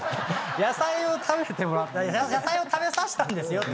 野菜を食べてもら野菜を食べさせたんですよって。